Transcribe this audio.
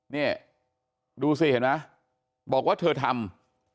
นี่ดูสิเห็นไหมบอกว่าเธอทำ